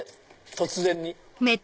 突然に。